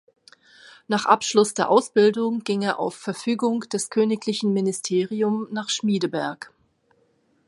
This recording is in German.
Nach Abschluss der Ausbildung ging er auf Verfügung des Königlichen Ministerium nach Schmiedeberg.